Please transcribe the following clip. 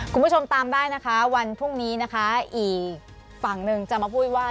คุณผู้ชมตามได้นะคะวันพรุ่งนี้นะคะอีกฝั่งหนึ่งจะมาพูดว่า